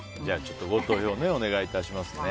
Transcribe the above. ご投票お願いしますね。